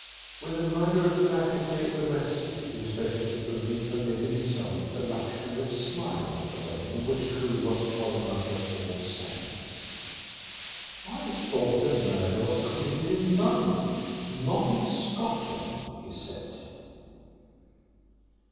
With the murderer practically arrested, Inspector Chippenfield permitted himself the luxury of smiling at the way in which Crewe was following up a false scent. "I thought the murder was committed in London not in Scotland," he said.